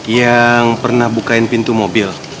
yang pernah bukain pintu mobil